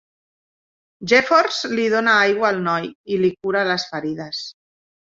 Jeffords li dona aigua al noi i li cura les ferides.